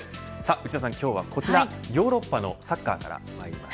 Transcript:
内田さん、今日はこちらヨーロッパのサッカーからまいります。